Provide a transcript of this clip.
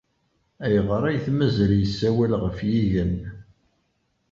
Ayɣer ay t-mazal yessawal ɣef yigen?